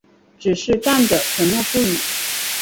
只是站着沉默不语